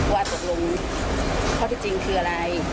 ว่าตกลงข้อที่จริงคืออะไร